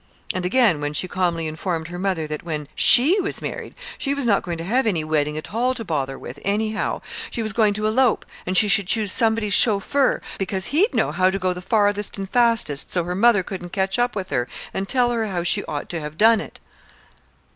and again when she calmly informed her mother that when she was married she was not going to have any wedding at all to bother with, anyhow. She was going to elope, and she should choose somebody's chauffeur, because he'd know how to go the farthest and fastest so her mother couldn't catch up with her and tell her how she ought to have done it.